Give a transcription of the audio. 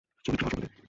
শ্রমিকরা ফসল কাটে।